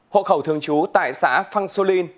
hộ khẩu trú tại xã phăng xô linh